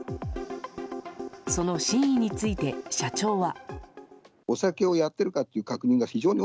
その真意について社長は。